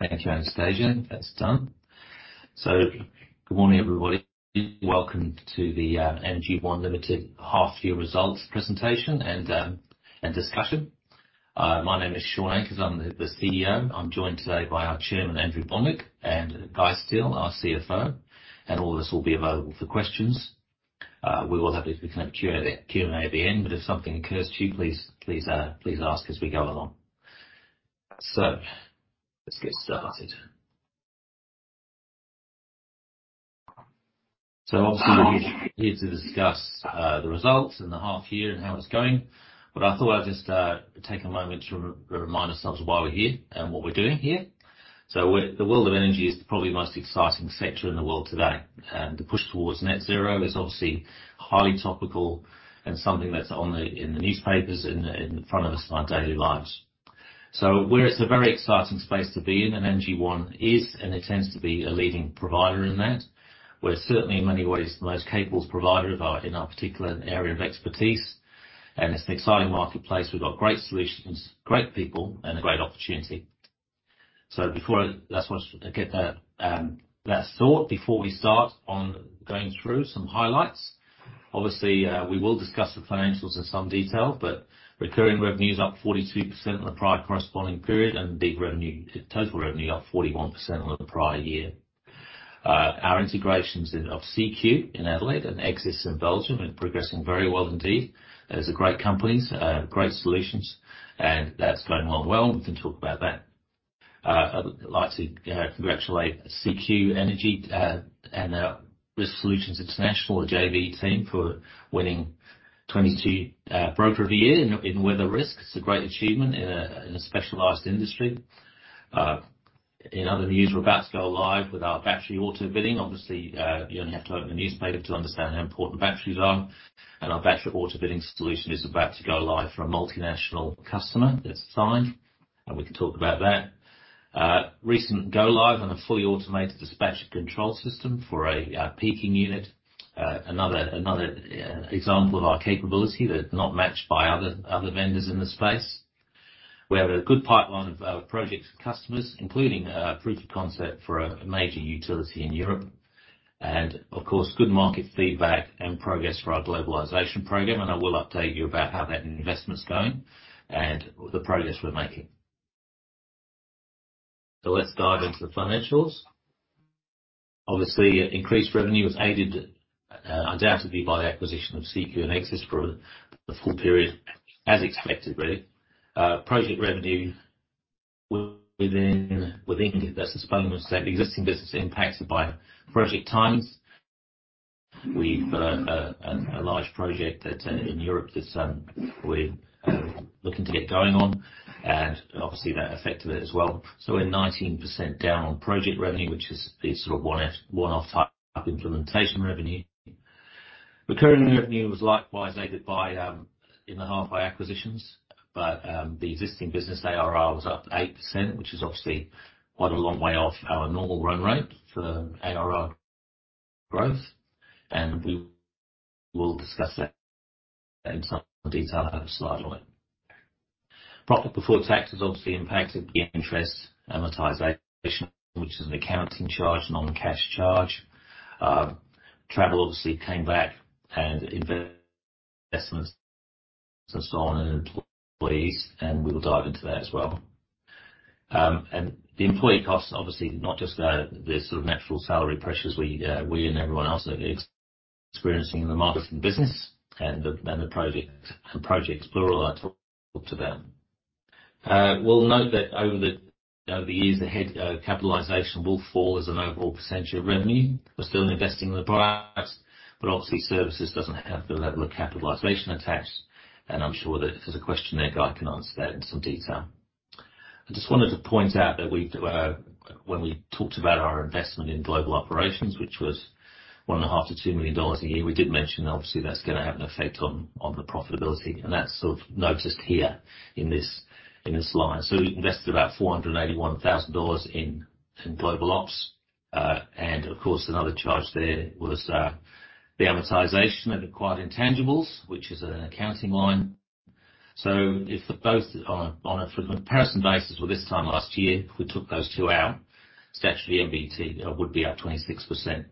Thank you, Anastasia. That's done. Good morning, everybody. Welcome to the Energy One Limited half year results presentation and discussion. My name is Shaun Ankers, I'm the CEO. I'm joined today by our Chairman, Andrew Bonwick, and Guy Steel, our CFO, and all of us will be available for questions. We will have, if we can, have Q&A at the end, but if something occurs to you, please ask as we go along. Let's get started. Obviously we're here to discuss the results in the half year and how it's going. I thought I'd just take a moment to remind ourselves why we're here and what we're doing here. The world of energy is probably the most exciting sector in the world today, and the push towards net zero is obviously highly topical and something that's in the newspapers and in front of us in our daily lives. We're at a very exciting space to be in, and Energy One is, and intends to be a leading provider in that. We're certainly in many ways the most capable provider of our, in our particular area of expertise, and it's an exciting marketplace. We've got great solutions, great people, and a great opportunity. Before I just wanted to get that thought before we start on going through some highlights. Obviously, we will discuss the financials in some detail, but recurring revenue is up 42% on the prior corresponding period, and big revenue, total revenue up 41% on the prior year. Our integrations in, of CQ in Adelaide and EGSSIS in Belgium are progressing very well indeed. Those are great companies, great solutions, and that's going well and well. We can talk about that. I'd like to congratulate CQ Energy and Risk Solutions International, the JV team, for winning 2022 Broker of the Year in weather risk. It's a great achievement in a specialized industry. In other news, we're about to go live with our battery auto-bidding. Obviously, you only have to open the newspaper to understand how important batteries are, and our battery auto-bidding solution is about to go live for a multinational customer that signed, and we can talk about that. Recent go live on a fully automated dispatch and control system for a peaking unit. Another example of our capability that's not matched by other vendors in the space. We have a good pipeline of projects and customers, including a proof of concept for a major utility in Europe. Of course, good market feedback and progress for our globalization program. I will update you about how that investment's going and the progress we're making. Let's dive into the financials. Obviously, increased revenue was aided undoubtedly by the acquisition of CQ Energy and EGSSIS for the full period, as expected, really. Project revenue within that's a small percent. Existing business impacted by project times. We've a large project that in Europe that's we're looking to get going on and obviously that affected it as well. We're 19% down on project revenue, which is sort of one-off type implementation revenue. Recurring revenue was likewise aided by in the half by acquisitions, but the existing business ARR was up 8%, which is obviously quite a long way off our normal run rate for ARR growth, and we will discuss that in some detail a slide on it. Profit Before Tax has obviously impacted the interest amortization, which is an accounting charge, non-cash charge. Travel obviously came back and investments and so on, and employees, and we'll dive into that as well. The employee costs, obviously not just the sort of natural salary pressures we and everyone else are experiencing in the market and business and the projects plural. I talked to them. We'll note that over the years ahead, capitalization will fall as an overall percentage of revenue. We're still investing in apparatus, but obviously services doesn't have the level of capitalization attached. I'm sure that if there's a question there, Guy can answer that in some detail. I just wanted to point out that we've when we talked about our investment in global operations, which was 1.5 million to 2 million dollars a year, we did mention obviously that's gonna have an effect on the profitability, and that's sort of noticed here in this line. We invested about 481,000 dollars in global ops. Of course, another charge there was the amortization of acquired intangibles, which is an accounting line. If both on a comparison basis with this time last year, if we took those two out, statutory NBT would be up 26%.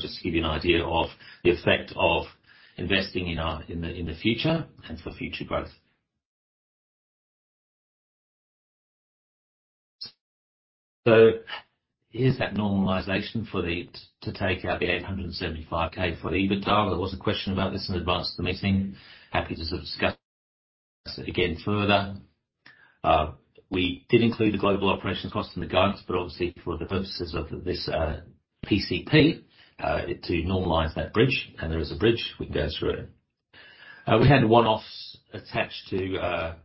Just to give you an idea of the effect of investing in the future and for future growth. Here's that normalization to take out the 875 ,000 for EBITDA. There was a question about this in advance of the meeting. Happy to sort of discuss it again further. We did include the global operations cost in the guidance, but obviously for the purposes of this PCP to normalize that bridge. There is a bridge, we can go through it. We had one-offs attached to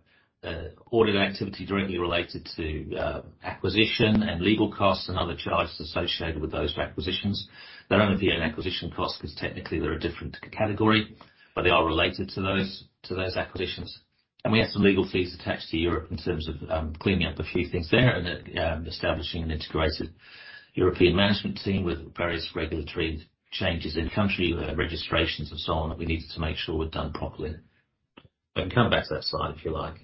audit activity directly related to acquisition and legal costs and other charges associated with those acquisitions. They're only being acquisition costs 'cause technically they're a different category, but they are related to those, to those acquisitions. We have some legal fees attached to Europe in terms of cleaning up a few things there and establishing an integrated European management team with various regulatory changes in country registrations and so on that we needed to make sure were done properly. We can come back to that slide if you like.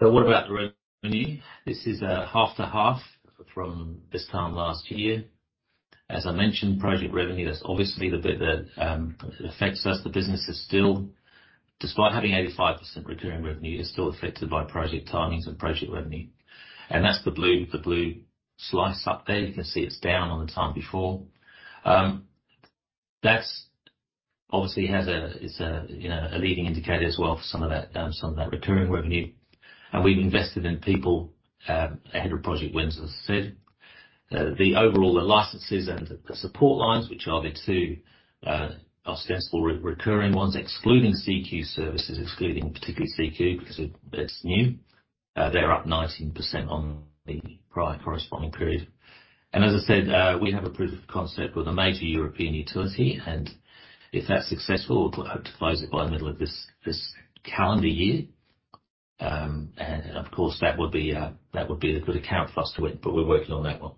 What about the revenue? This is half to half from this time last year. As I mentioned, project revenue, that's obviously the bit that affects us. The business is still despite having 85% recurring revenue, is still affected by project timings and project revenue. That's the blue, the blue slice up there. You can see it's down on the time before. That's obviously has a, you know, a leading indicator as well for some of that, some of that recurring revenue. We've invested in people ahead of project wins, as I said. The overall, the licenses and the support lines, which are the two ostensibly recurring ones, excluding CQ Services, excluding particularly CQ because it's new, they're up 19% on the prior corresponding period. As I said, we have a proof of concept with a major European utility, and if that's successful, we hope to close it by the middle of this calendar year. Of course, that would be the good account cluster win, but we're working on that one.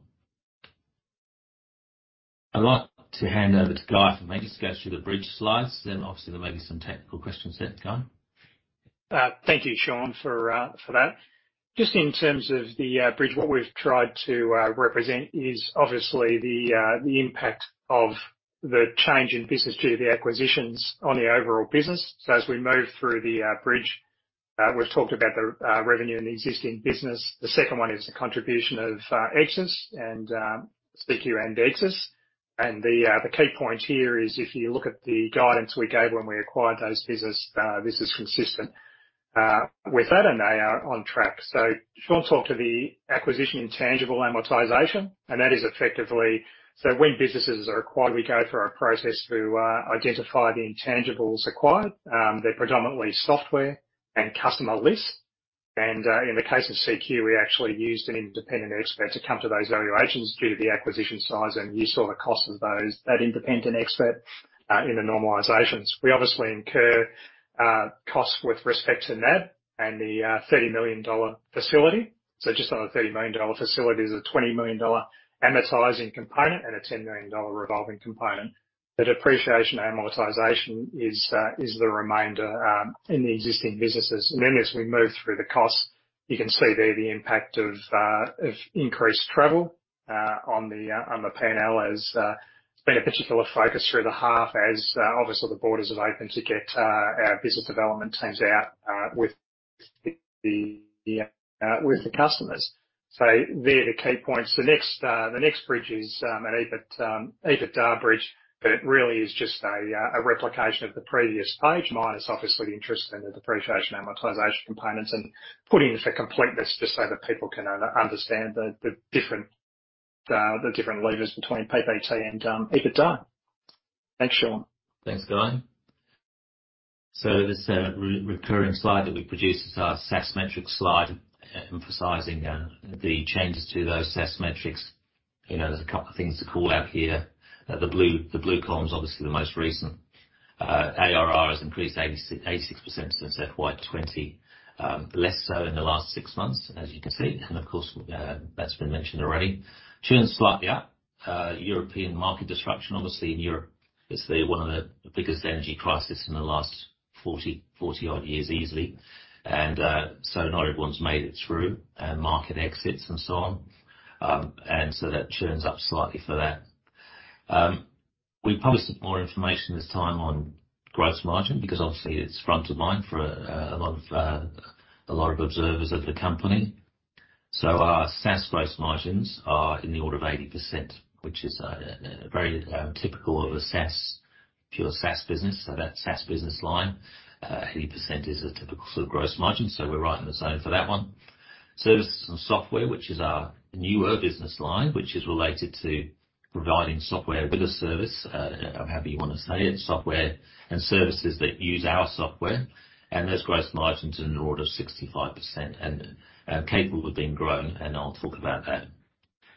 I'd like to hand over to Guy for maybe to go through the bridge slides, then obviously there may be some technical questions then. Guy? Thank you, Shaun, for that. Just in terms of the bridge, what we've tried to represent is obviously the impact of the change in business due to the acquisitions on the overall business. As we move through the bridge, we've talked about the revenue in the existing business. The second one is the contribution of EGSSIS and CQ and EGSSIS. The key point here is if you look at the guidance we gave when we acquired those business, this is consistent with that, and they are on track. Shaun talked to the acquisition intangible amortization, and that is effectively. When businesses are acquired, we go through a process to identify the intangibles acquired. They're predominantly software and customer lists. In the case of CQ, we actually used an independent expert to come to those valuations due to the acquisition size. You saw the cost of those, that independent expert, in the normalizations. We obviously incur costs with respect to NAB and the 30 million dollar facility. Just on the 30 million dollar facility is a 20 million dollar amortizing component and a 10 million dollar revolving component. The depreciation and amortization is the remainder in the existing businesses. As we move through the costs, you can see there the impact of increased travel on the P&L as it's been a particular focus through the half as obviously the borders have opened to get our business development teams out with the customers. They're the key points. The next, the next bridge is an EBITDA bridge, but it really is just a replication of the previous page minus obviously the interest and the depreciation amortization components, and put in for completeness just so that people can understand the different levers between PBT and EBITDA. Thanks, Shaun. Thanks, Guy. This, re-recurring slide that we produce is our SaaS metrics slide, emphasizing the changes to those SaaS metrics. You know, there's a couple of things to call out here. The blue column is obviously the most recent. ARR has increased 86% since FY 2020. Less so in the last six months, as you can see. Of course, that's been mentioned already. Churn's slightly up. European market disruption, obviously in Europe, it's one of the biggest energy crisis in the last 40 odd years easily. Not everyone's made it through. Market exits and so on. That churns up slightly for that. We published some more information this time on gross margin because obviously it's front of mind for a lot of observers of the company. Our SaaS gross margins are in the order of 80%, which is very typical of a SaaS, pure SaaS business. That SaaS business line, 80% is a typical sort of gross margin. We're right in the zone for that one. Services and software, which is our newer business line, which is related to providing software with a service, or however you wanna say it, software and services that use our software. Those gross margins in the order of 65% and capable of being grown, and I'll talk about that.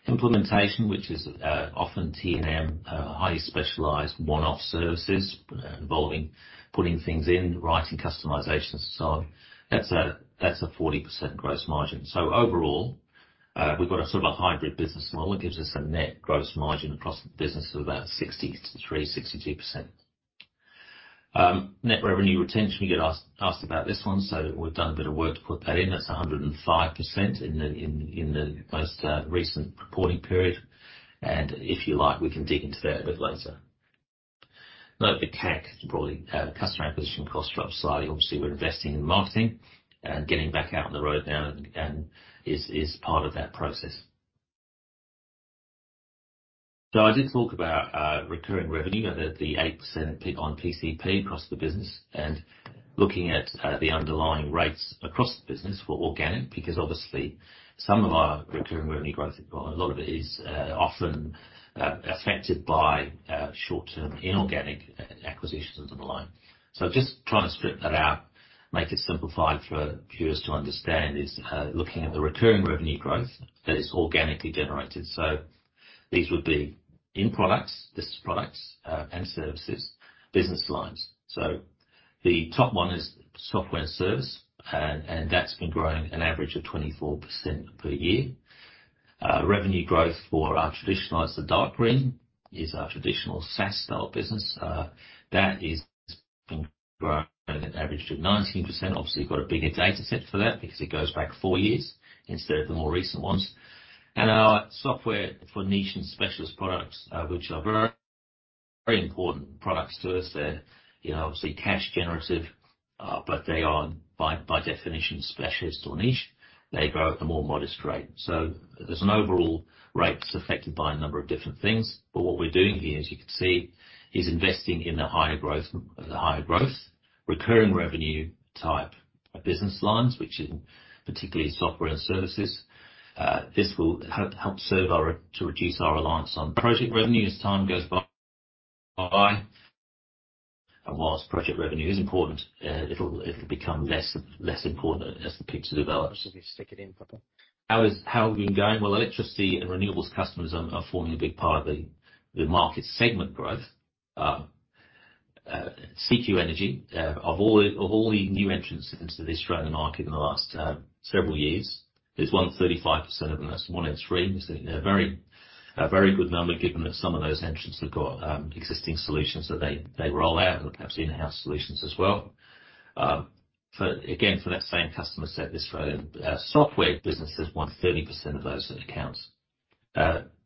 Implementation, which is often T&M, highly specialized one-off services involving putting things in, writing customizations and so on. That's a 40% gross margin. Overall, we've got a sort of a hybrid business model. It gives us a net gross margin across the business of about 63%, 62%. Net revenue retention, we get asked about this one, so we've done a bit of work to put that in. That's a 105% in the most recent reporting period. If you like, we can dig into that a bit later. Note the CAC, broadly, customer acquisition costs dropped slightly. Obviously, we're investing in marketing and getting back out on the road now, is part of that process. I did talk about recurring revenue at the 8% pit on PCP across the business and looking at the underlying rates across the business for organic, because obviously some of our recurring revenue growth, well, a lot of it is often affected by short-term inorganic acquisitions and the like. Just trying to strip that out, make it simplified for viewers to understand is looking at the recurring revenue growth that is organically generated. This is products and services, business lines. The top one is software and service. That's been growing an average of 24% per year. Revenue growth for our traditionalized, the dark green, is our traditional SaaS style business that is been growing at an average of 19%. Obviously, you've got a bigger data set for that because it goes back four years instead of the more recent ones. Our software for niche and specialist products, which are very important products to us. They're, you know, obviously cash generative, but they are by definition, specialist or niche. They grow at a more modest rate. There's an overall rate that's affected by a number of different things. What we're doing here, as you can see, is investing in the higher growth, recurring revenue type business lines, which is particularly software and services. This will help serve to reduce our reliance on project revenue as time goes by. Whilst project revenue is important, it'll become less important as the picture develops. Stick it in proper. How have we been going? Well, electricity and renewables customers are forming a big part of the market segment growth. CQ Energy of all the new entrants into the Australian market in the last several years, has won 35% of them. That's one in three. It's a very good number given that some of those entrants have got existing solutions that they roll out, and perhaps in-house solutions as well. Again, for that same customer set, this software business has won 30% of those accounts.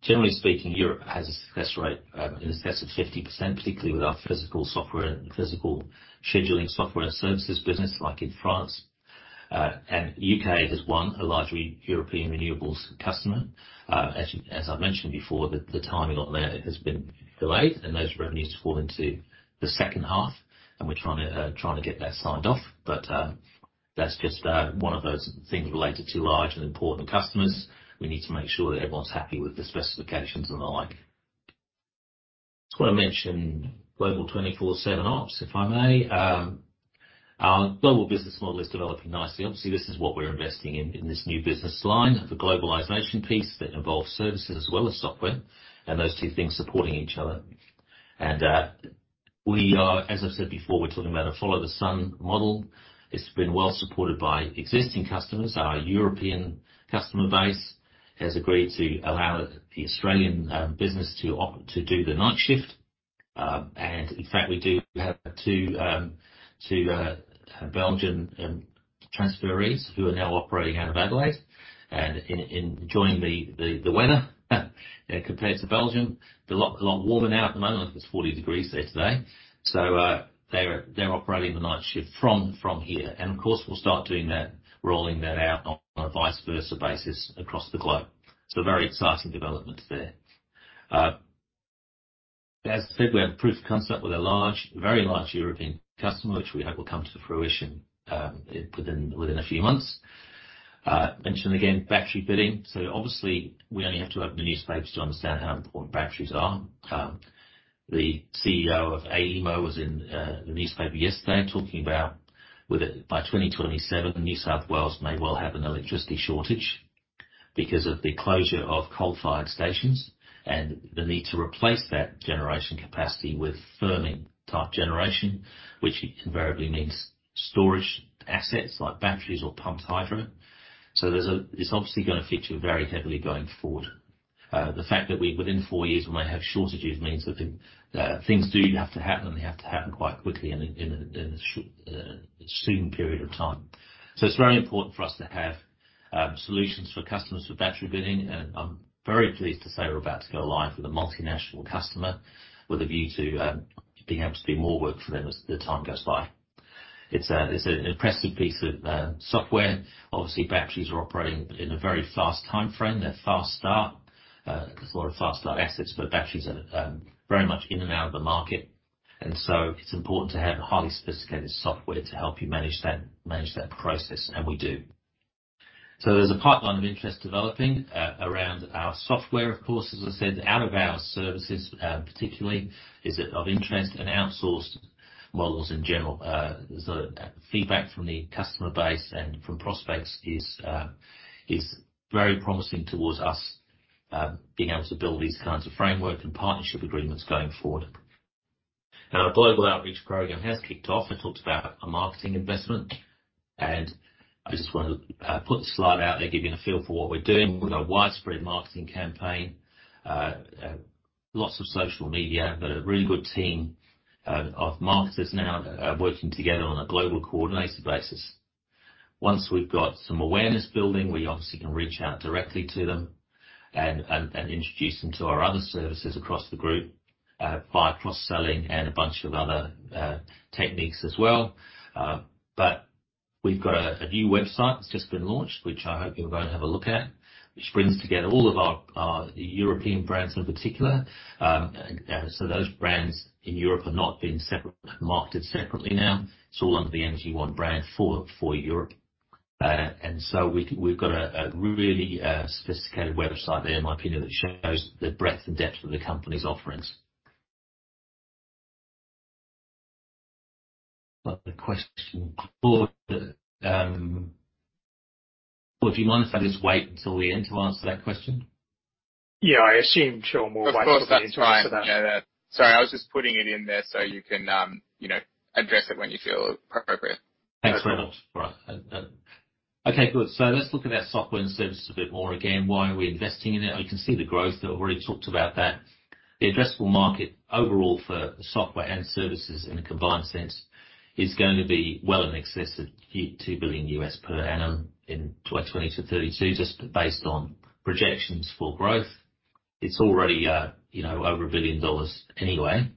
Generally speaking, Europe has a success rate in excess of 50%, particularly with our physical software and physical scheduling software and services business, like in France. U.K. has won a large European renewables customer. As, as I've mentioned before, the timing on that has been delayed and those revenues fall into the second half and we're trying to get that signed off. That's just one of those things related to large and important customers. We need to make sure that everyone's happy with the specifications and the like. Just wanna mention global 24/7 ops, if I may. Our global business model is developing nicely. Obviously, this is what we're investing in this new business line. The globalization piece that involves services as well as software and those two things supporting each other. We are, as I've said before, we're talking about a follow the sun model. It's been well supported by existing customers. Our European customer base has agreed to allow the Australian business to do the night shift. In fact we do have two Belgian transferees who are now operating out of Adelaide and enjoying the weather compared to Belgium. They're a lot warmer now at the moment. I think it's 40 degrees there today. They're operating the night shift from here. Of course, we'll start doing that, rolling that out on a vice versa basis across the globe. Very exciting developments there. As I said, we have proof of concept with a large, very large European customer, which we hope will come to fruition within a few months. Mention again, battery bidding. Obviously we only have to open the newspapers to understand how important batteries are. The CEO of AEMO was in the newspaper yesterday talking about whether by 2027, New South Wales may well have an electricity shortage because of the closure of coal-fired stations and the need to replace that generation capacity with firming type generation, which invariably means storage assets like batteries or pumped hydro. There's it's obviously going to feature very heavily going forward. The fact that we within four years we may have shortages means that things do have to happen, they have to happen quite quickly in a soon period of time. It's very important for us to have solutions for customers for battery bidding, and I'm very pleased to say we're about to go live with a multinational customer with a view to being able to do more work for them as the time goes by. It's an impressive piece of software. Obviously, batteries are operating in a very fast timeframe. They're fast start. There's a lot of fast start assets, but batteries are very much in and out of the market, and so it's important to have a highly sophisticated software to help you manage that, manage that process, and we do. There's a pipeline of interest developing around our software of course. As I said, out of our services, particularly is it of interest and outsourced models in general. The feedback from the customer base and from prospects is very promising towards us being able to build these kinds of framework and partnership agreements going forward. Our global outreach program has kicked off. I talked about a marketing investment. I just wanna put the slide out there, give you a feel for what we're doing with our widespread marketing campaign. Lots of social media. We've got a really good team of marketers now working together on a global coordinated basis. Once we've got some awareness building, we obviously can reach out directly to them and introduce them to our other services across the group via cross-selling and a bunch of other techniques as well. We've got a new website that's just been launched, which I hope you'll go and have a look at, which brings together all of our European brands in particular. Those brands in Europe are not being separate, marketed separately now. It's all under the Energy One brand for Europe. We've got a really sophisticated website there, in my opinion, that shows the breadth and depth of the company's offerings. Another question. Claude, do you mind if I just wait until the end to answer that question? Yeah, I assume she'll move. Of course, that's fine. Sorry, I was just putting it in there so you can, you know, address it when you feel appropriate. Thanks very much. All right. Okay, good. Let's look at our software and services a bit more. Again, why are we investing in it? You can see the growth, we already talked about that. The addressable market overall for software and services in a combined sense is going to be well in excess of $2 billion U.S. per annum in 2020 to 2032, just based on projections for growth. It's already, you know, over $1 billion anyway.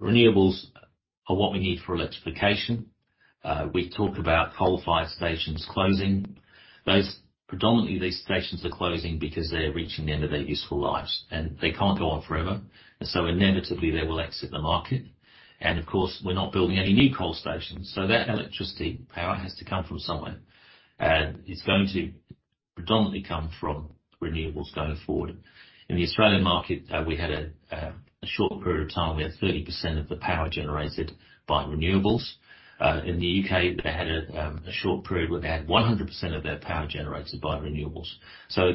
Renewables are what we need for electrification. We talk about coal-fired stations closing. Predominantly, these stations are closing because they're reaching the end of their useful lives, and they can't go on forever. Inevitably, they will exit the market. Of course, we're not building any new coal stations, so that electricity power has to come from somewhere. It's going to predominantly come from renewables going forward. In the Australian market, we had a short period of time, we had 30% of the power generated by renewables. In the U.K., they had a short period where they had 100% of their power generated by renewables.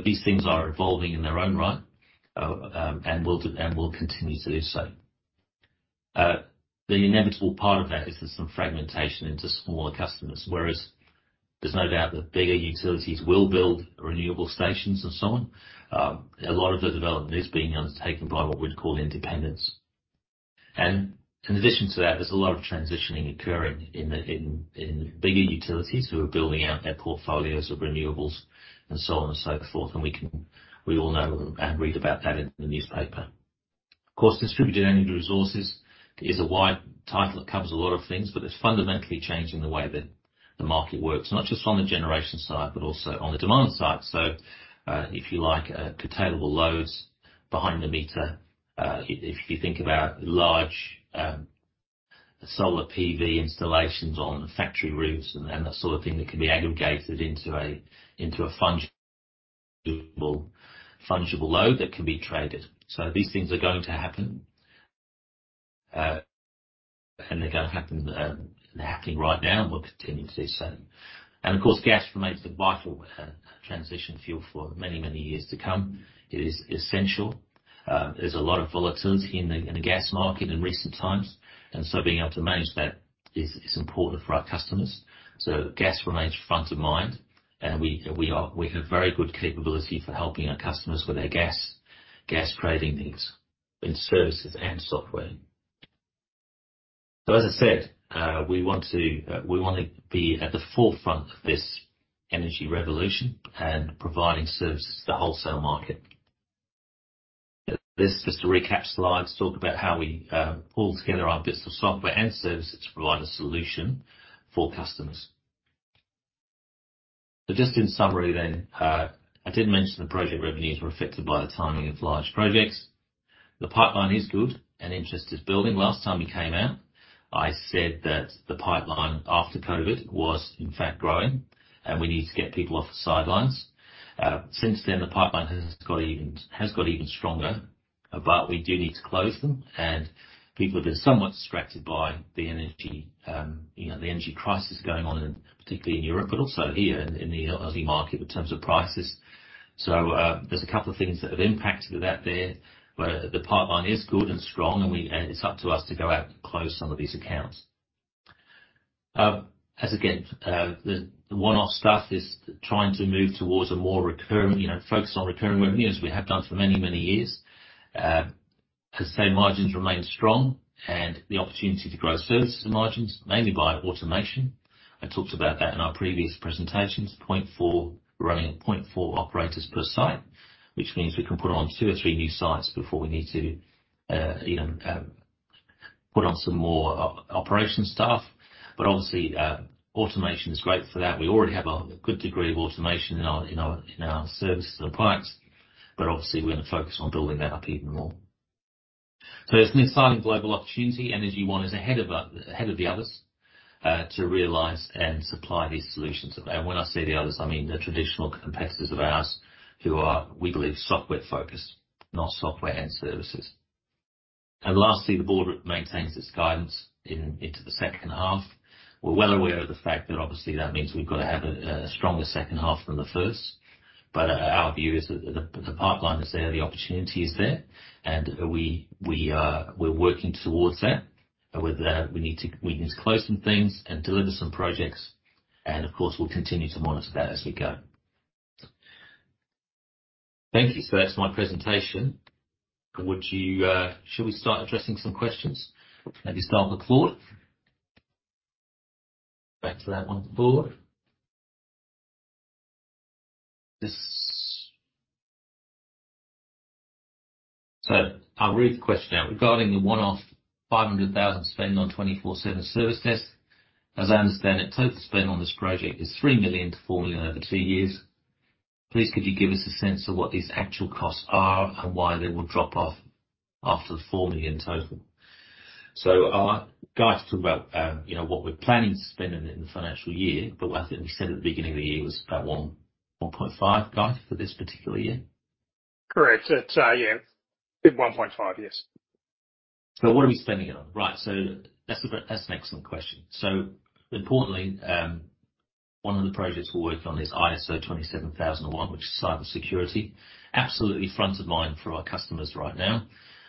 These things are evolving in their own right, and will continue to do so. The inevitable part of that is there's some fragmentation into smaller customers. Whereas there's no doubt that bigger utilities will build renewable stations and so on, a lot of the development is being undertaken by what we'd call independents. In addition to that, there's a lot of transitioning occurring in bigger utilities who are building out their portfolios of renewables and so on and so forth. We all know and read about that in the newspaper. Of course, distributed energy resources is a wide title. It covers a lot of things, but it's fundamentally changing the way that the market works, not just on the generation side, but also on the demand side. If you like, controllable loads behind the meter, if you think about large solar PV installations on factory roofs and that sort of thing that can be aggregated into a fungible load that can be traded. These things are going to happen, and they're gonna happen, they're happening right now and will continue to do so. Of course, gas remains a vital transition fuel for many, many years to come. It is essential. There's a lot of volatility in the, in the gas market in recent times. Being able to manage that is important for our customers. Gas remains front of mind. We have very good capability for helping our customers with their gas trading needs in services and software. As I said, we want to, we wanna be at the forefront of this energy revolution and providing services to the wholesale market. This is just a recap slide to talk about how we pull together our bits of software and services to provide a solution for customers. Just in summary then, I did mention the project revenues were affected by the timing of large projects. The pipeline is good and interest is building. Last time we came out, I said that the pipeline after COVID was in fact growing, we need to get people off the sidelines. Since then, the pipeline has got even stronger, but we do need to close them. People have been somewhat distracted by the energy, you know, the energy crisis going on in, particularly in Europe, but also here in the Aussie market in terms of prices. There's a couple of things that have impacted that there, but the pipeline is good and strong, and we. It's up to us to go out and close some of these accounts. As again, the one-off stuff is trying to move towards a more recurring, you know, focus on recurring revenue as we have done for many, many years. As I say, margins remain strong and the opportunity to grow services and margins mainly by automation. I talked about that in our previous presentations, 0.4, running at 0.4 operators per site, which means we can put on two or three new sites before we need to, you know, put on some more operations staff. Obviously, automation is great for that. We already have a good degree of automation in our services and products, but obviously, we're gonna focus on building that up even more. It's an exciting global opportunity. Energy One is ahead of the others to realize and supply these solutions. When I say the others, I mean the traditional competitors of ours who are, we believe, software-focused, not software and services. Lastly, the board maintains its guidance into the second half. We're well aware of the fact that obviously that means we've got to have a stronger second half than the first. Our view is the pipeline is there, the opportunity is there, and we're working towards that. With that, we need to close some things and deliver some projects, and of course, we'll continue to monitor that as we go. Thank you. That's my presentation. Shall we start addressing some questions? Maybe start with Claude. Back to that one with Claude. I'll read the question out. Regarding the one-off 500,000 spend on 24/7 service desk, as I understand it, total spend on this project is 3 million-4 million over two years. Please, could you give us a sense of what these actual costs are and why they will drop off after the 4 million total? Guy's talked about, you know, what we're planning to spend in the financial year, but what I think we said at the beginning of the year was about 1.5 million, Guy, for this particular year? Correct. It's, yeah, it's 1.5 million. Yes. What are we spending it on? Right. That's an excellent question. Importantly, one of the projects we're working on is ISO 27001, which is cybersecurity. Absolutely front of mind for our customers right now.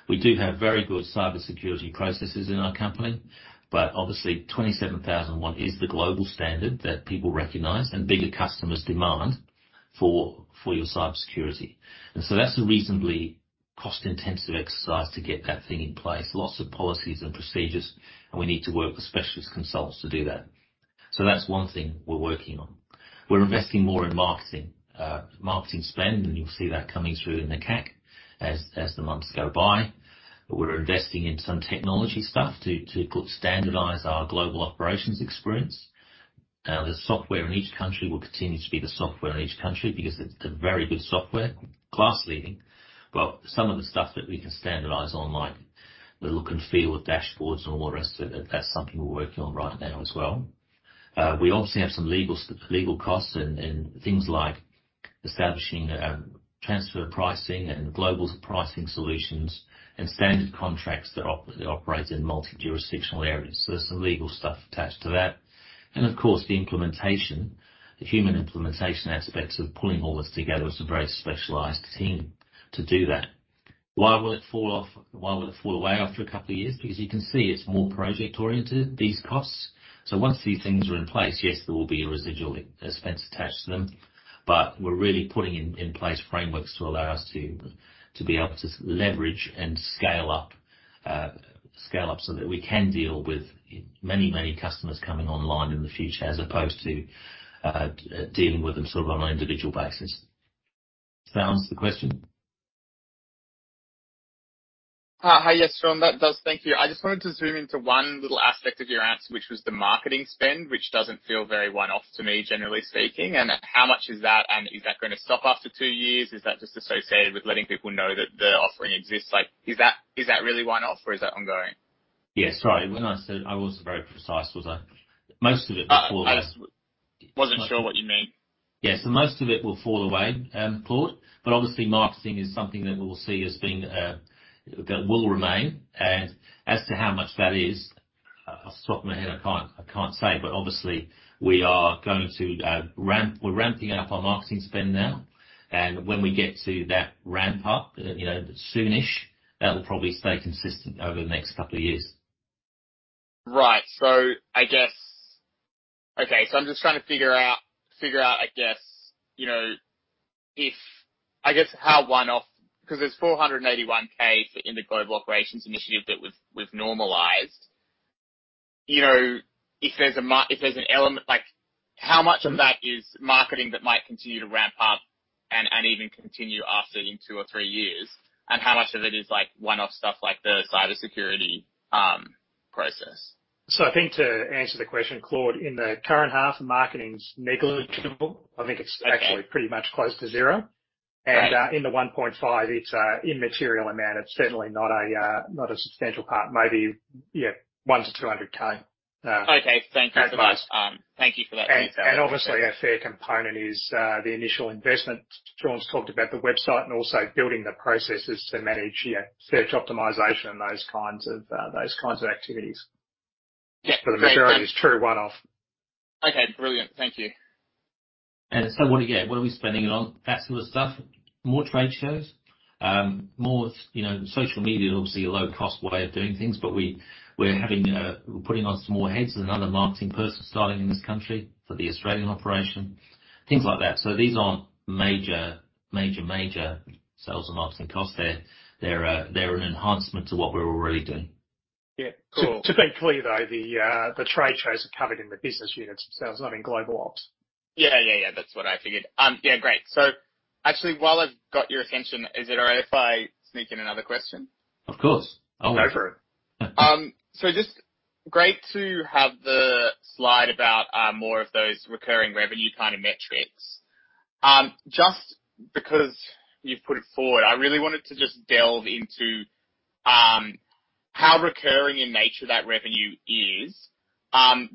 We do have very good cybersecurity processes in our company, but obviously 27001 is the global standard that people recognize and bigger customers demand for your cybersecurity. That's a reasonably cost-intensive exercise to get that thing in place. Lots of policies and procedures, and we need to work with specialist consultants to do that. That's one thing we're working on. We're investing more in marketing spend, and you'll see that coming through in the CAC as the months go by. We're investing in some technology stuff to go standardize our global operations experience. The software in each country will continue to be the software in each country because it's a very good software, class-leading. Some of the stuff that we can standardize on, like the look and feel of dashboards and all the rest of it, that's something we're working on right now as well. We obviously have some legal costs and things like establishing transfer pricing and global pricing solutions and standard contracts that operate in multi-jurisdictional areas. There's some legal stuff attached to that. Of course, the implementation, the human implementation aspects of pulling all this together. It's a very specialized team to do that. Why will it fall off? Why will it fall away after a couple of years? Because you can see it's more project-oriented, these costs. Once these things are in place, yes, there will be a residual expense attached to them, but we're really putting in place frameworks to allow us to be able to leverage and scale up so that we can deal with many, many customers coming online in the future as opposed to dealing with them sort of on an individual basis. Does that answer the question? Hi. Yes, John, that does. Thank you. I just wanted to zoom into one little aspect of your answer, which was the marketing spend, which doesn't feel very one-off to me, generally speaking. How much is that, and is that gonna stop after two years? Is that just associated with letting people know that the offering exists? Is that really one-off or is that ongoing? Yes. Right. When I said I wasn't very precise, was I? Most of it will fall off. I just wasn't sure what you mean. Yes. Most of it will fall away, Claude, but obviously, marketing is something that we'll see as being that will remain. As to how much that is, I'll swap my head. I can't say, but obviously we are going to we're ramping up our marketing spend now. When we get to that ramp up, you know, soon-ish, that will probably stay consistent over the next couple of years. Right. I guess, Okay, I'm just trying to figure out, I guess, you know, if, I guess, how one-off, because there's 481,000 in the global operations initiative that we've normalized. You know, if there's an element, like how much of that is marketing that might continue to ramp up and even continue after in two or three years? How much of it is like one-off stuff like the cybersecurity process? I think to answer the question, Claude, in the current half, the marketing's negligible. Okay. I think it's actually pretty much close to zero. Right. In the 1.5 million, it's an immaterial amount. It's certainly not a substantial part. Maybe, yeah, 100K-200K. Okay. Thank you so much. At most. Thank you for that detail. Obviously a fair component is the initial investment. John's talked about the website and also building the processes to manage, yeah, search optimization and those kinds of, those kinds of activities. Yeah. Great. The majority is true one-off. Okay, brilliant. Thank you. What do you get? What are we spending it on? That sort of stuff. More trade shows, more, you know, social media, obviously a low-cost way of doing things, but we're having, we're putting on some more heads. There's another marketing person starting in this country for the Australian operation, things like that. These aren't major sales and marketing costs. They're an enhancement to what we're already doing. Yeah. Cool. To be clear, though, the trade shows are covered in the business units themselves, not in global ops. Yeah, yeah. That's what I figured. Yeah, great. Actually, while I've got your attention, is it all right if I sneak in another question? Of course. Go for it. Just great to have the slide about more of those recurring revenue kind of metrics. Just because you've put it forward, I really wanted to just delve into how recurring in nature that revenue is.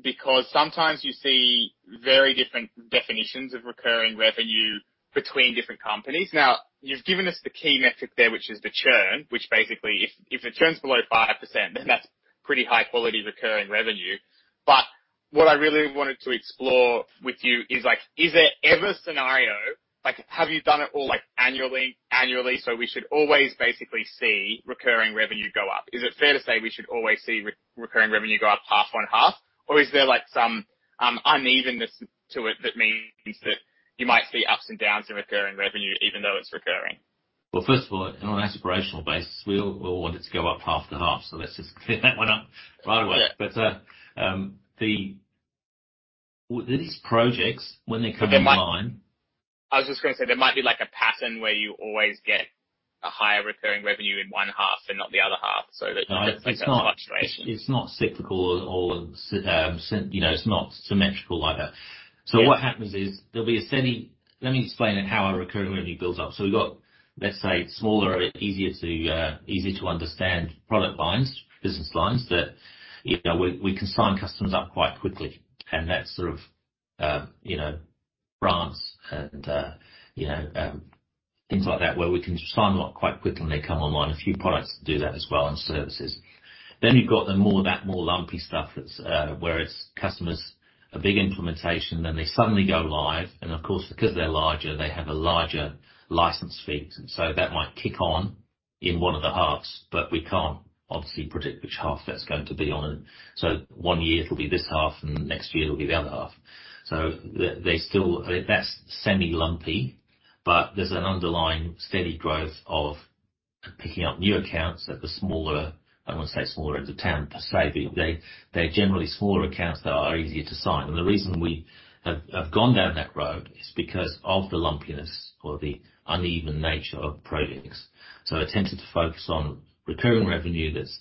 Because sometimes you see very different definitions of recurring revenue between different companies. Now, you've given us the key metric there, which is the churn, which basically if the churn's below 5%, then that's pretty high quality recurring revenue. What I really wanted to explore with you is, like, is there ever a scenario, like have you done it all like annually, so we should always basically see recurring revenue go up? Is it fair to say we should always see re-recurring revenue go up half on half? Is there like some unevenness to it that means that you might see ups and downs in recurring revenue even though it's recurring? Well, first of all, on an aspirational basis, we all want it to go up half to half. Let's just clear that one up right away. Yeah. These projects, when they come online... I was just gonna say, there might be like a pattern where you always get a higher recurring revenue in one half and not the other half so that... It's not, it's not cyclical or, you know, it's not symmetrical like that. Yeah. What happens is there'll be a steady. Let me explain it how our recurring revenue builds up. We've got, let's say, smaller, easier to understand product lines, business lines that, you know, we can sign customers up quite quickly. That's sort of, you know, France and, you know, things like that where we can sign them up quite quickly when they come online. A few products do that as well, and services. You've got that more lumpy stuff that's where it's customers, a big implementation, then they suddenly go live, and of course, because they're larger, they have a larger license fee. That might kick on in one of the halves, but we can't obviously predict which half that's going to be on. One year it'll be this half, and next year it'll be the other half. They still... That's semi-lumpy, but there's an underlying steady growth of picking up new accounts at the smaller, I won't say smaller end of town per se, but they're generally smaller accounts that are easier to sign. The reason we have gone down that road is because of the lumpiness or the uneven nature of projects. I tended to focus on recurring revenue that's,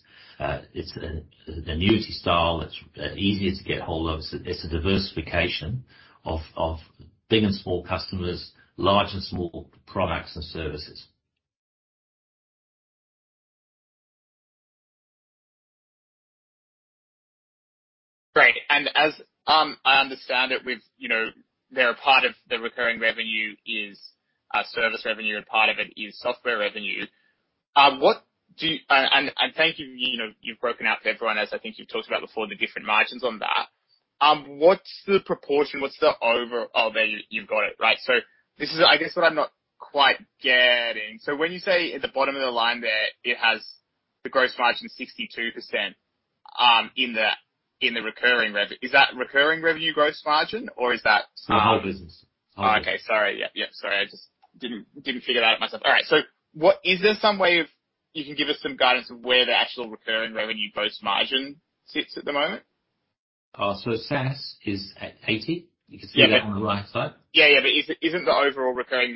it's an annuity style that's easier to get hold of. It's a diversification of big and small customers, large and small products and services. Great. As I understand it with, you know, they're a part of the recurring revenue is service revenue and part of it is software revenue. Thank you know, you've broken out for everyone else. I think you've talked about before the different margins on that. What's the proportion? What's the over? Oh, there you've got it. Right. This is I guess what I'm not quite getting. When you say at the bottom of the line there, it has the gross margin 62% in the, in the recurring revenue. Is that recurring revenue gross margin, or is that? The whole business. Oh, okay. Sorry. Yep. Sorry, I just didn't figure that out myself. All right. Is there some way of you can give us some guidance of where the actual recurring revenue gross margin sits at the moment? SaaS is at 80%. You can see that on the right side. Yeah, yeah. Isn't the overall recurring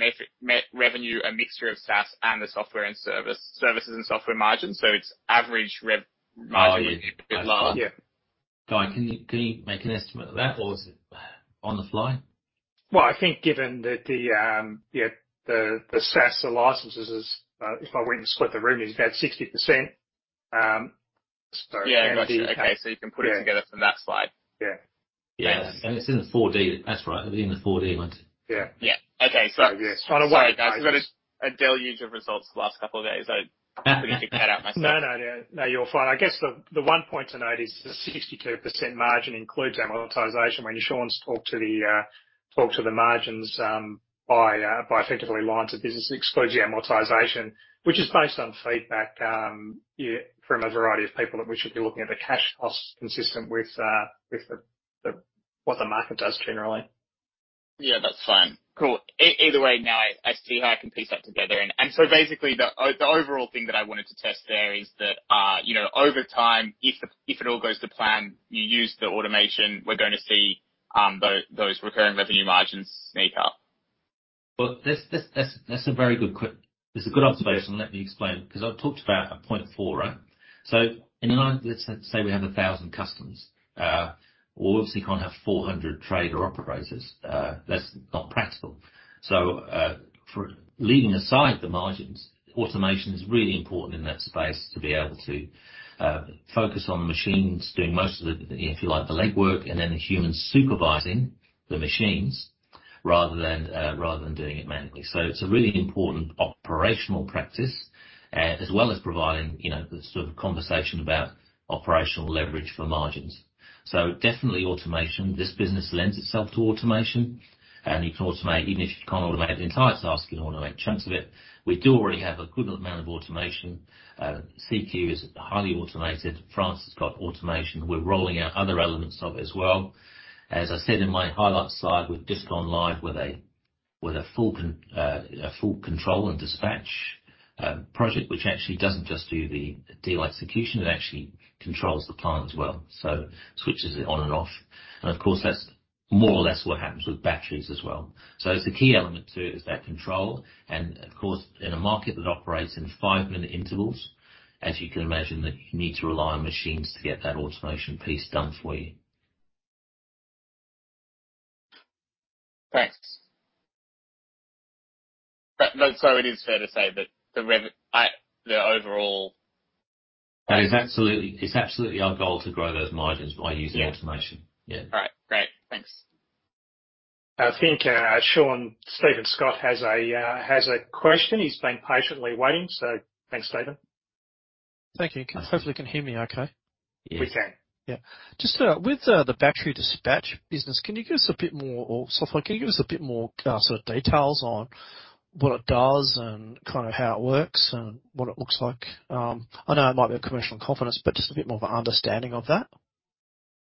revenue a mixture of SaaS and the software and services and software margins? It's average rev margin. Yeah. All right. Can you make an estimate of that or is it on the fly? I think given that the, yeah, the SaaS licenses is, if I were you to split the room, is about 60%. Yeah, got you. Okay. You can put it together from that slide. Yeah. Yeah. It's in the Appendix 4D. That's right. It'll be in the Appendix 4D one. Yeah. Yeah. Okay. Trying to work it out. We've had a deluge of results the last couple of days. I couldn't figure that out myself. No, no. No, you're fine. I guess the one point to note is the 62% margin includes amortization. When Shaun's talked to the margins, by effectively lines of business excludes the amortization, which is based on feedback from a variety of people that we should be looking at the cash costs consistent with the what the market does generally. Yeah, that's fine. Cool. Either way, now I see how I can piece that together. So basically the overall thing that I wanted to test there is that, you know, over time, if the, if it all goes to plan, you use the automation, we're gonna see, those recurring revenue margins sneak up. Well, that's a very good observation. Let me explain because I've talked about a point four, right? In a line, let's say we have 1,000 customers, we obviously can't have 400 trader operators. That's not practical. For leaving aside the margins, automation is really important in that space to be able to focus on the machines doing most of the, if you like, the legwork, and then the humans supervising the machines rather than rather than doing it manually. It's a really important operational practice, as well as providing, you know, the sort of conversation about operational leverage for margins. Definitely automation. This business lends itself to automation, and you can automate. Even if you can't automate the entire task, you can automate chunks of it. We do already have a good amount of automation. CQ is highly automated. France has got automation. We're rolling out other elements of it as well. As I said in my highlight slide, we've just gone live with a full control and dispatch project, which actually doesn't just do the deal execution, it actually controls the plant as well. Switches it on and off. Of course, that's more or less what happens with batteries as well. It's a key element too, is that control. Of course, in a market that operates in five-minute intervals, as you can imagine, that you need to rely on machines to get that automation piece done for you. Thanks. It is fair to say that the overall- It's absolutely our goal to grow those margins by using automation. Yeah. Yeah. All right. Great. Thanks. I think, Shaun, Steven Scott has a, has a question. He's been patiently waiting. Thanks, Steven. Thank you. Hopefully, you can hear me okay. Yes. We can. Just with the battery dispatch business, can you give us a bit more or software, can you give us a bit more sort of details on what it does and kinda how it works and what it looks like? I know it might be a commercial in confidence, but just a bit more of an understanding of that.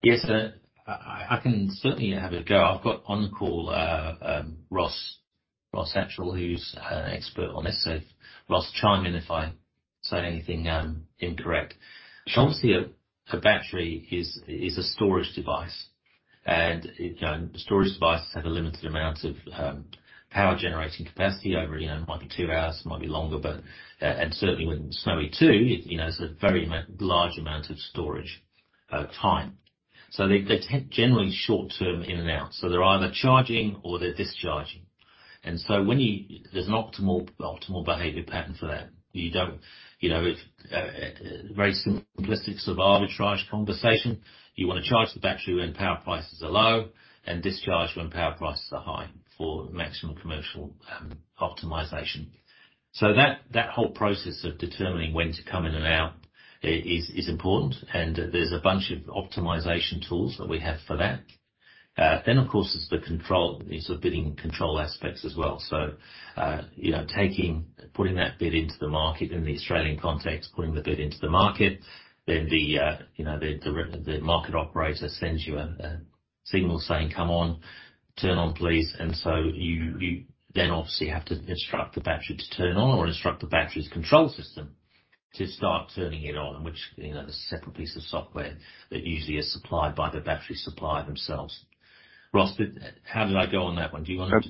Yes. I can certainly have a go. I've got on call, Ross Attrill, who's an expert on this. Ross, chime in if I say anything incorrect. Obviously a battery is a storage device, and, you know, storage devices have a limited amount of power generating capacity over, you know, it might be two hours, it might be longer, but, and certainly with Snowy 2.0, you know, it's a very large amount of storage time. They tend generally short-term in and out. They're either charging or they're discharging. When there's an optimal behavior pattern for that. You don't, you know, if, very simplistic sort of arbitrage conversation, you wanna charge the battery when power prices are low and discharge when power prices are high for maximum commercial optimization. That whole process of determining when to come in and out is important. There's a bunch of optimization tools that we have for that. Of course it's the control, the sort of bidding control aspects as well. You know, putting that bid into the market in the Australian context, putting the bid into the market, then the, you know, the market operator sends you a signal saying, "Come on, turn on please." You then obviously have to instruct the battery to turn on or instruct the battery's control system to start turning it on, which, you know, is a separate piece of software that usually is supplied by the battery supplier themselves. Ross, how did I go on that one? Do you want to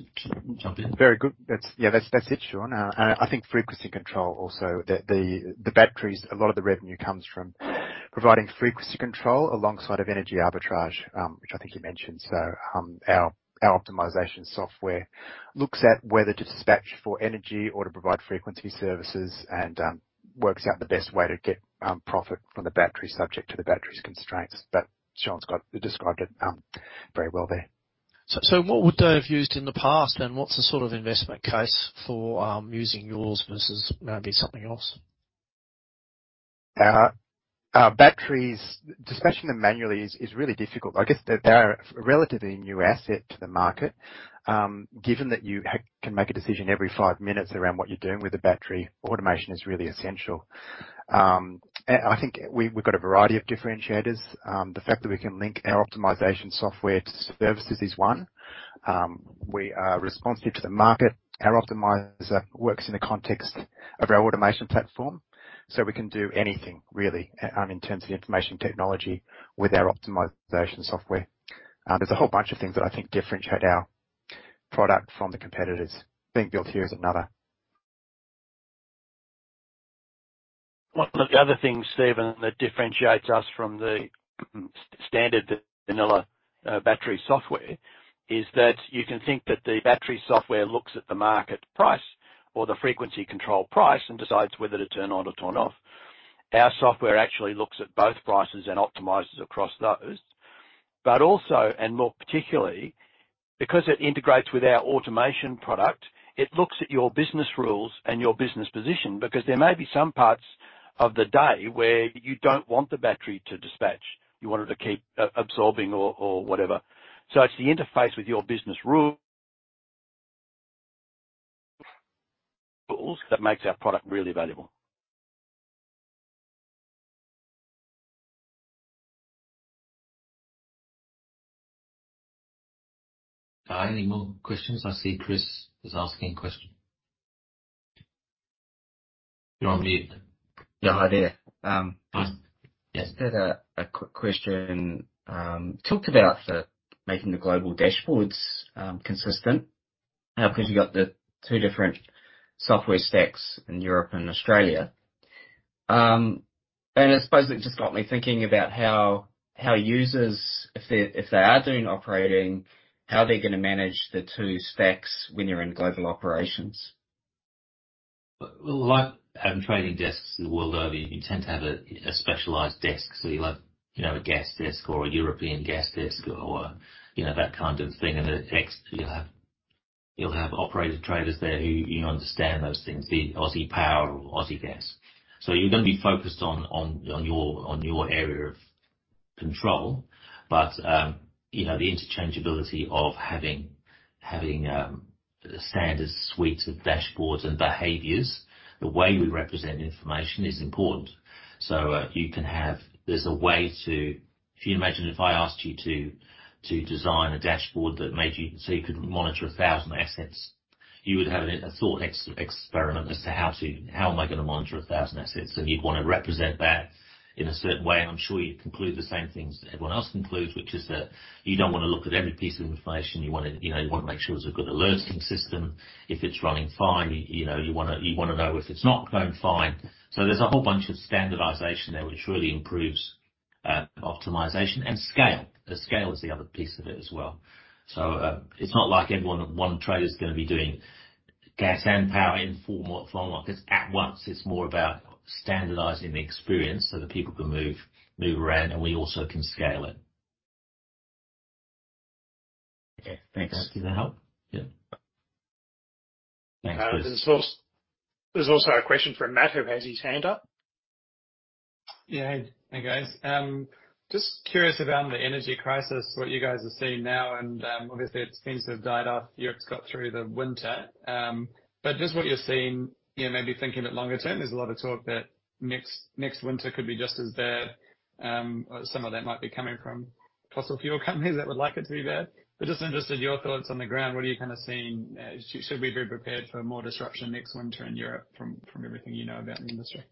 jump in? Very good. That's, yeah, that's it, Shaun. I think frequency control also. The batteries, a lot of the revenue comes from providing frequency control alongside of energy arbitrage, which I think you mentioned. Our optimization software looks at whether to dispatch for energy or to provide frequency services and works out the best way to get profit from the battery subject to the battery's constraints. Shaun described it very well there. What would they have used in the past, and what's the sort of investment case for using yours versus maybe something else? Batteries, dispatching them manually is really difficult. I guess they are a relatively new asset to the market. Given that you can make a decision every five minutes around what you're doing with the battery, automation is really essential. I think we've got a variety of differentiators. The fact that we can link our optimization software to services is one. We are responsive to the market. Our optimizer works in the context of our automation platform, so we can do anything really, in terms of information technology with our optimization software. There's a whole bunch of things that I think differentiate our product from the competitors. Being built here is another. One of the other things, Steven, that differentiates us from the standard vanilla battery software is that you can think that the battery software looks at the market price or the frequency control price and decides whether to turn on or turn off. Our software actually looks at both prices and optimizes across those. Also, and more particularly, because it integrates with our automation product, it looks at your business rules and your business position, because there may be some parts of the day where you don't want the battery to dispatch. You want it to keep absorbing or whatever. It's the interface with your business rule that makes our product really valuable. Any more questions? I see Chris is asking a question. You're on mute. Yeah, hi there. Hi. Yes. Just had a quick question. Talked about the making the global dashboards consistent. How 'cause you got the two different software stacks in Europe and Australia? I suppose it just got me thinking about how users, if they are doing operating, how they're gonna manage the two stacks when you're in global operations? Well, like, trading desks the world over, you tend to have a specialized desk. You'll have, you know, a gas desk or a European gas desk or, you know, that kind of thing. You'll have operator traders there who, you know, understand those things, the Aussie power or Aussie gas. You're gonna be focused on your area of control. You know, the interchangeability of having standard suites of dashboards and behaviors, the way we represent information is important. You can have. There's a way to. If you imagine if I asked you to design a dashboard that made you so you could monitor 1,000 assets, you would have a thought experiment as to how to, how am I gonna monitor 1,000 assets? You'd wanna represent that in a certain way. I'm sure you'd conclude the same things that everyone else concludes, which is that you don't wanna look at every piece of information. You know, you wanna make sure there's a good alerting system. If it's running fine, you know, you wanna know if it's not going fine. There's a whole bunch of standardization there which really improves optimization and scale. Scale is the other piece of it as well. It's not like one trader's gonna be doing gas and power in four more, 'cause at once, it's more about standardizing the experience so that people can move around, and we also can scale it. Okay, thanks. Does that help? Yeah. Thanks, Chris. There's also a question from Matt, who has his hand up. Yeah. Hey, guys. Just curious about the energy crisis, what you guys are seeing now, and obviously it seems to have died after Europe's got through the winter. Just what you're seeing, you know, maybe thinking a bit longer term, there's a lot of talk that next winter could be just as bad. Some of that might be coming from fossil fuel companies that would like it to be bad. Just interested your thoughts on the ground. What are you kinda seeing? Should we be prepared for more disruption next winter in Europe from everything you know about the industry?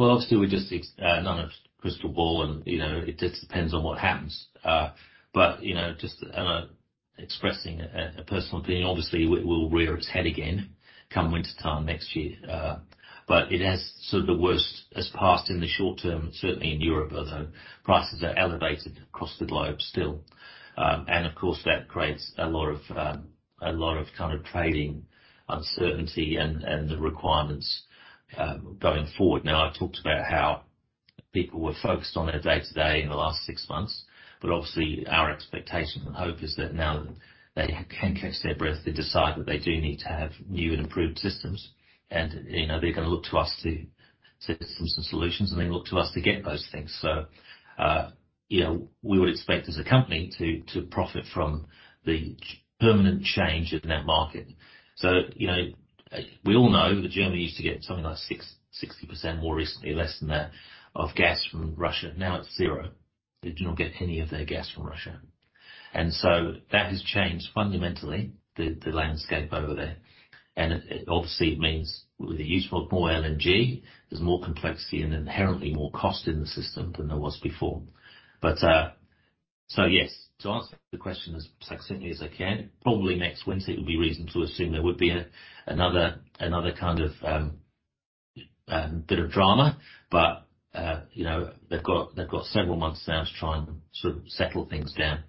Well, obviously we're just none of crystal ball and, you know, it just depends on what happens. You know, just, and, expressing a personal opinion, obviously it will rear its head again come wintertime next year. It has sort of the worst has passed in the short term, certainly in Europe, although prices are elevated across the globe still. Of course, that creates a lot of, a lot of kind of trading uncertainty and the requirements, going forward. Now, I talked about how people were focused on their day-to-day in the last six months, but obviously, our expectation and hope is that now they can catch their breath, they decide that they do need to have new and improved systems. You know, they're gonna look to us to see systems and solutions, and they look to us to get those things. You know, we would expect as a company to profit from the permanent change in that market. You know, we all know that Germany used to get something like 60%, more recently, less than that, of gas from Russia. Now it's zero. They do not get any of their gas from Russia. That has changed fundamentally the landscape over there. It, obviously, it means with the use of more LNG, there's more complexity and inherently more cost in the system than there was before. Yes, to answer the question as succinctly as I can, probably next winter it would be reason to assume there would be another kind of bit of drama. You know, they've got several months now to try and sort of settle things down.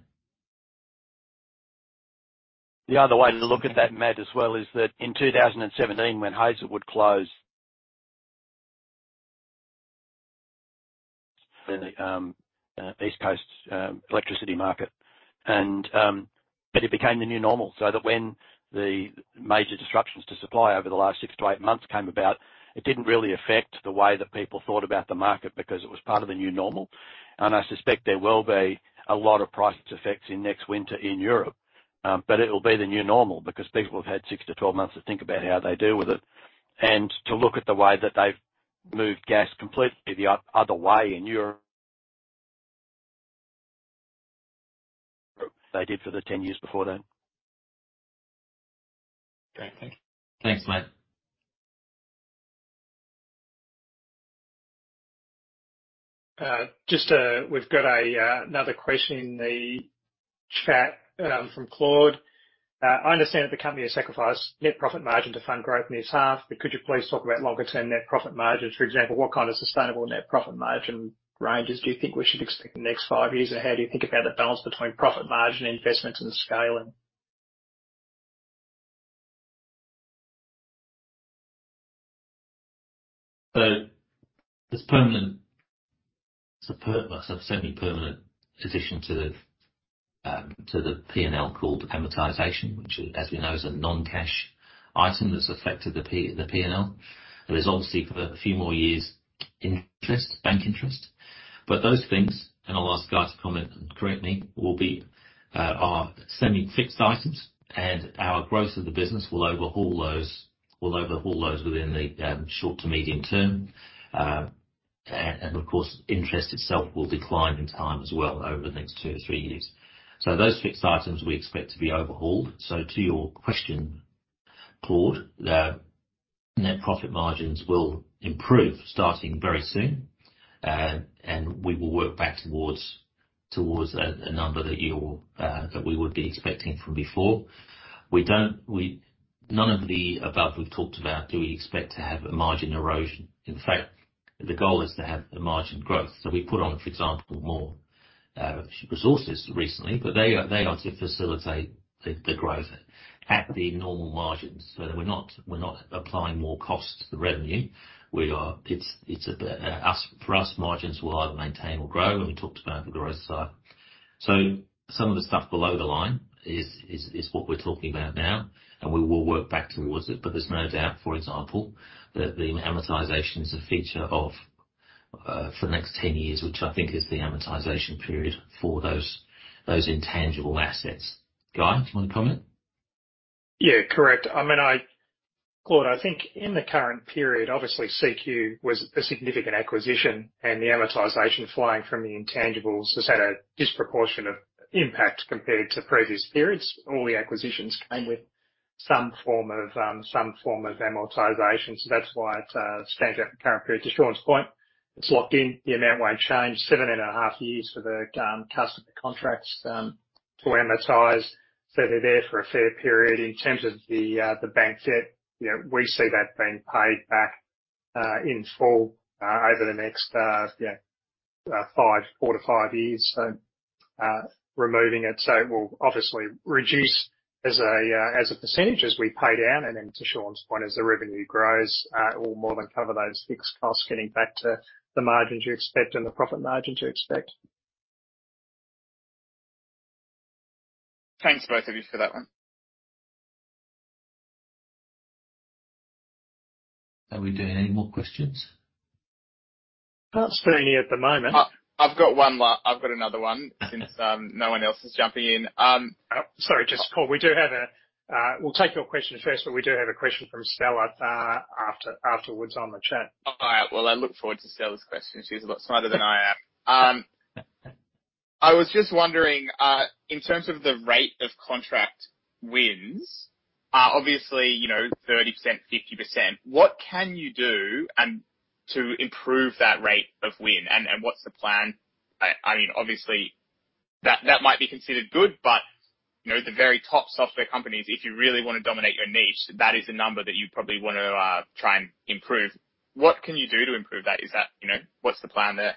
The other way to look at that, Matt, as well, is that in 2017 when Hazelwood closed for the East Coast electricity market. It became the new normal, so that when the major disruptions to supply over the last six to eight months came about, it didn't really affect the way that people thought about the market because it was part of the new normal. I suspect there will be a lot of price effects in next winter in Europe, but it will be the new normal because people have had six to 12 months to think about how they deal with it. To look at the way that they've moved gas completely the other way in Europe than they did for the 10 years before then. Great. Thank you. Thanks, Matt. Just, we've got a another question in the chat, from Claude. I understand that the company has sacrificed net profit margin to fund growth in this half. Could you please talk about longer-term net profit margins? For example, what kind of sustainable net profit margin ranges do you think we should expect in the next five years? How do you think about the balance between profit margin investments and scaling? There's it's a semi-permanent addition to the to the P&L called amortization, which as we know, is a non-cash item that's affected the P&L. There is obviously a few more years interest, bank interest. Those things, and I'll ask Guy to comment and correct me, will be are semi-fixed items. Our growth of the business will overhaul those within the short to medium term. Of course, interest itself will decline in time as well over the next two to three years. Those fixed items we expect to be overhauled. To your question, Claude, the net profit margins will improve starting very soon. We will work back towards a number that you're that we would be expecting from before. None of the above we've talked about do we expect to have a margin erosion. In fact, the goal is to have a margin growth. We put on, for example, more resources recently, but they are to facilitate the growth at the normal margins. We're not applying more cost to the revenue. For us, margins will either maintain or grow, and we talked about the growth side. Some of the stuff below the line is what we're talking about now, and we will work back towards it. There's no doubt, for example, that the amortization is a feature of for the next 10 years, which I think is the amortization period for those intangible assets. Guy, do you wanna comment? Yeah, correct. I mean, Claude, I think in the current period, obviously CQ was a significant acquisition. The amortization flowing from the intangibles has had a disproportionate impact compared to previous periods. All the acquisitions came with some form of, some form of amortization. That's why it stands out in the current period. To Shaun's point, it's locked in. The amount won't change. Seven and a half years for the customer contracts to amortize. They're there for a fair period. In terms of the bank debt, you know, we see that being paid back in full over the next four to five years. Removing it. It will obviously reduce as a % as we pay down. To Shaun's point, as the revenue grows, it will more than cover those fixed costs, getting back to the margins you expect and the profit margins you expect. Thanks both of you for that one. Are we doing any more questions? Not seeing any at the moment. I've got another one since, no one else is jumping in. Oh, sorry, just call. We'll take your question first, but we do have a question from Stella, afterwards on the chat. All right. Well, I look forward to Stella's question. She's a lot smarter than I am. I was just wondering, in terms of the rate of contract wins, obviously, you know, 30%, 50%, what can you do to improve that rate of win and what's the plan? I mean, obviously that might be considered good. You know, the very top software companies, if you really wanna dominate your niche, that is a number that you probably wanna, try and improve. What can you do to improve that? You know, what's the plan there?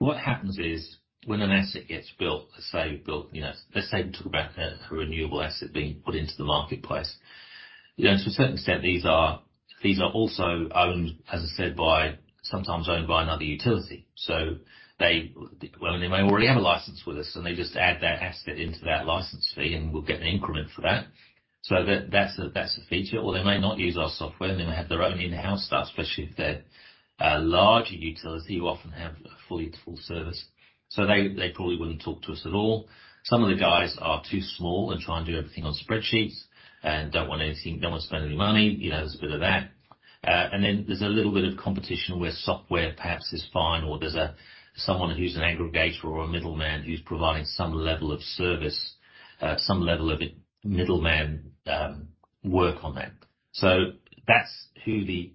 What happens is, when an asset gets built, let's say you built, you know, let's say we talk about a renewable asset being put into the marketplace. You know, to a certain extent, these are also owned, as I said, by sometimes owned by another utility. Well, they may already have a license with us, and they just add that asset into that license fee, and we'll get an increment for that. That's a feature. They may not use our software, and they may have their own in-house stuff, especially if they're a larger utility who often have a full service. They probably wouldn't talk to us at all. Some of the guys are too small. They're trying to do everything on spreadsheets and don't want anything, don't wanna spend any money. You know, there's a bit of that. Then there's a little bit of competition where software perhaps is fine or there's a someone who's an aggregator or a middleman who's providing some level of service, some level of it middleman work on that. That's who the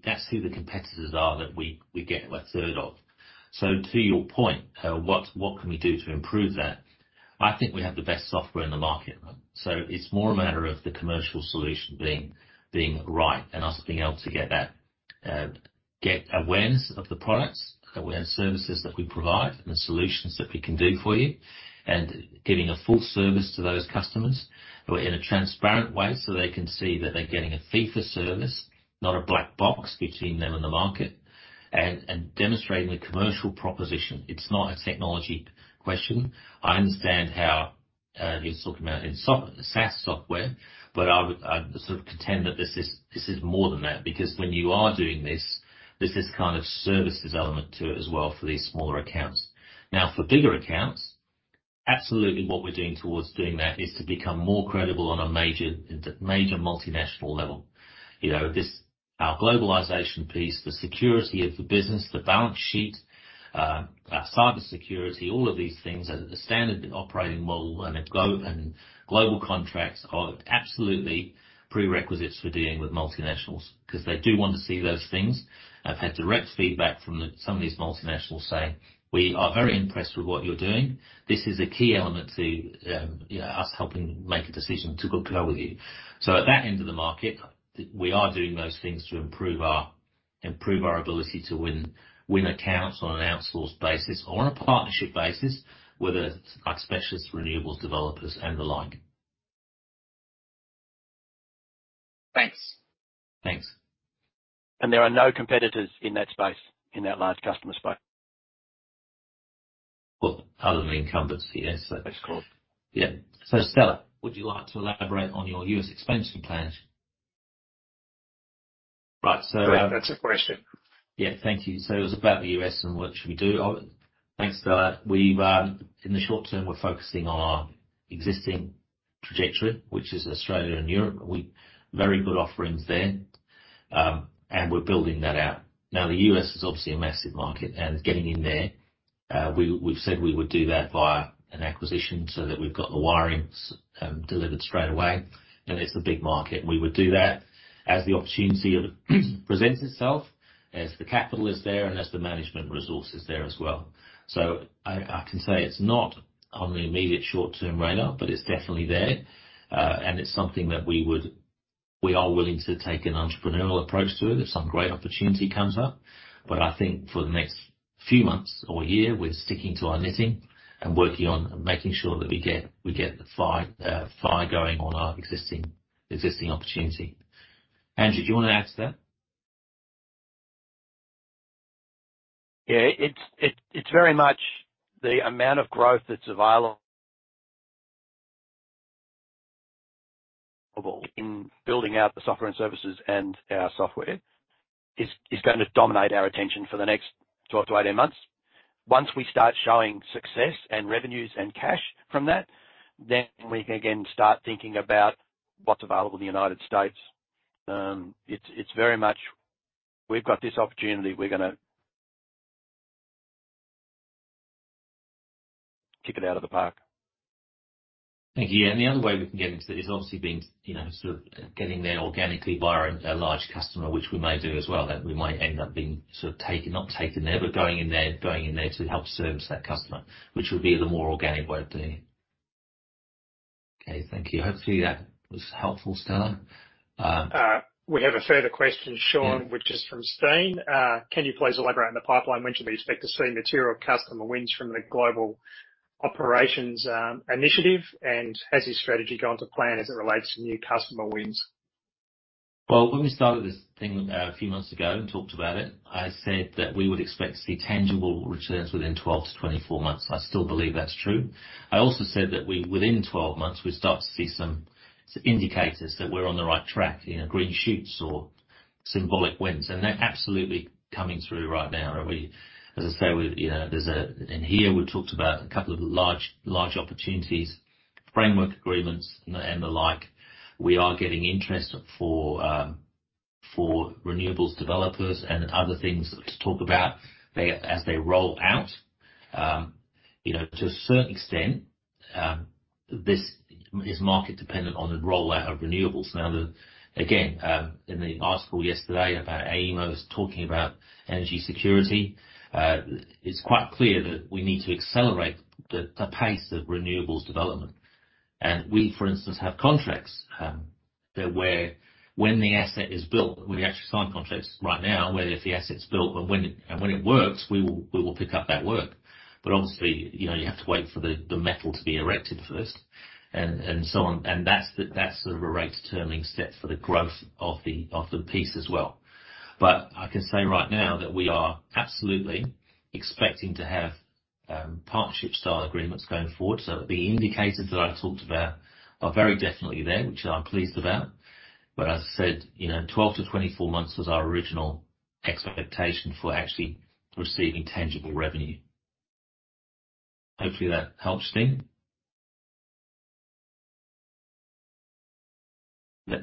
competitors are that we get 1/3 of. To your point, what can we do to improve that? I think we have the best software in the market. It's more a matter of the commercial solution being right and us being able to get that, get awareness of the products, services that we provide and the solutions that we can do for you, and giving a full service to those customers who are in a transparent way so they can see that they're getting a fee for service, not a black box between them and the market, and demonstrating the commercial proposition. It's not a technology question. I understand how you're talking about in SaaS software, but I'd sort of contend that this is more than that because when you are doing this, there's this kind of services element to it as well for these smaller accounts. For bigger accounts, absolutely what we're doing towards doing that is to become more credible on a major multinational level. You know, this, our globalization piece, the security of the business, the balance sheet, our cybersecurity, all of these things are the standard operating model and global contracts are absolutely prerequisites for dealing with multinationals 'cause they do want to see those things. I've had direct feedback from the some of these multinationals saying, "We are very impressed with what you're doing. This is a key element to, you know, us helping make a decision to go with you." At that end of the market, we are doing those things to improve our ability to win accounts on an outsourced basis or on a partnership basis, whether it's like specialist renewables developers and the like. Thanks. Thanks. There are no competitors in that space, in that large customer space. Well, other than incumbents, yes. That's cool. Yeah. Stella, would you like to elaborate on your U.S. expansion plans? Right. That's the question. Yeah. Thank you. It was about the U.S. and what should we do. Thanks, Stella. We've in the short term, we're focusing on existing trajectory, which is Australia and Europe. We very good offerings there, and we're building that out. The U.S. is obviously a massive market, and getting in there, we've said we would do that via an acquisition so that we've got the wiring delivered straight away. It's a big market, and we would do that as the opportunity of it presents itself, as the capital is there and as the management resource is there as well. I can say it's not on the immediate short-term radar, but it's definitely there. And it's something that we are willing to take an entrepreneurial approach to it if some great opportunity comes up. I think for the next few months or year, we're sticking to our knitting and working on making sure that we get the fire going on our existing opportunity. Andrew, do you wanna add to that? Yeah. It's very much the amount of growth that's available in building out the software and services and our software is going to dominate our attention for the next 12 to 18 months. Once we start showing success and revenues and cash from that, we can again start thinking about what's available in the United States. It's very much we've got this opportunity, we're gonna kick it out of the park. Thank you. The other way we can get into that is obviously being, you know, sort of getting there organically via a large customer, which we may do as well. That we might end up being sort of taking, not taken there, but going in there to help service that customer, which would be the more organic way of doing it. Okay. Thank you. Hopefully that was helpful, Stella. We have a further question, Shaun. Yeah. Which is from Steen. Can you please elaborate on the pipeline? When should we expect to see material customer wins from the global operations initiative? Has this strategy gone to plan as it relates to new customer wins? Well, when we started this thing a few months ago and talked about it, I said that we would expect to see tangible returns within 12 to 24 months. I still believe that's true. I also said that we, within 12 months, we'd start to see some indicators that we're on the right track, you know, green shoots or symbolic wins, and they're absolutely coming through right now. As I say, we, you know, there's in here, we've talked about a couple of large opportunities, framework agreements and the like. We are getting interest for renewables developers and other things to talk about as they roll out. You know, to a certain extent, this is market dependent on the rollout of renewables. The, again, in the article yesterday about AEMO's talking about energy security, it's quite clear that we need to accelerate the pace of renewables development. We, for instance, have contracts, that when the asset is built, we actually sign contracts right now, where if the asset's built and when it works, we will pick up that work. Obviously, you know, you have to wait for the metal to be erected first and so on. That's the rate determining set for the growth of the piece as well. I can say right now that we are absolutely expecting to have partnership style agreements going forward. The indicators that I talked about are very definitely there, which I'm pleased about. As I said, you know, 12 to 24 months was our original expectation for actually receiving tangible revenue. Hopefully, that helps, Steen. Yeah.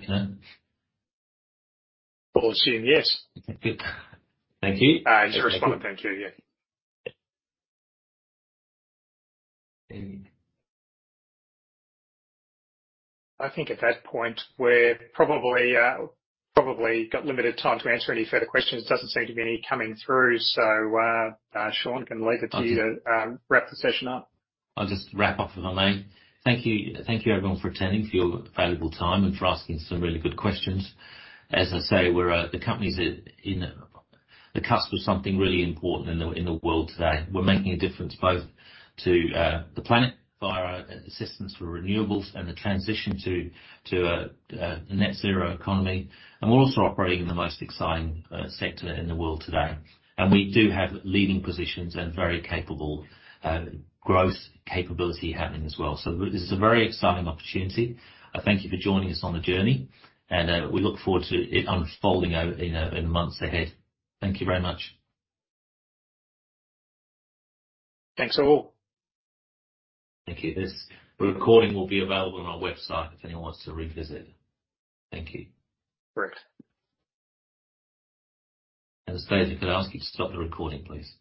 Assuming, yes. Good. Thank you. To respond. Thank you. Yeah. Yeah. I think at that point we're probably got limited time to answer any further questions. Doesn't seem to be any coming through. Shaun, gonna leave it to you to wrap the session up. I'll just wrap up if I may. Thank you. Thank you, everyone, for attending, for your valuable time and for asking some really good questions. As I say, we're the company's in the cusp of something really important in the world today. We're making a difference both to the planet, via our assistance for renewables and the transition to a net zero economy. We're also operating in the most exciting sector in the world today. We do have leading positions and very capable growth capability happening as well. This is a very exciting opportunity. I thank you for joining us on the journey and we look forward to it unfolding out in the months ahead. Thank you very much. Thanks all. Thank you. This recording will be available on our website if anyone wants to revisit. Thank you. Great. Sarah, if I could ask you to stop the recording, please.